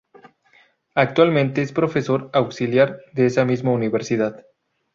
Actualmente es profesor auxiliar de esa misma universidad.